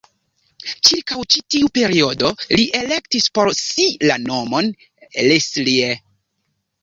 Ĉirkaŭ ĉi tiu periodo li elektis por si la nomon "Leslie".